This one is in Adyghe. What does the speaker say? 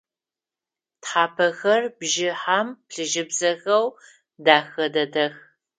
Тхьапэхэр бжыхьэм плъыжьыбзэхэу дэхэ дэдэх.